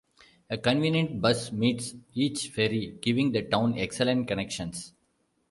A convenient bus meets each ferry giving the town excellent connections.